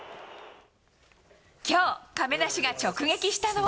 きょう、亀梨が直撃したのは。